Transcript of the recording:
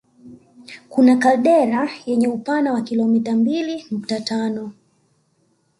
Kuna kaldera yenye upana wa kilomita mbili nukta tano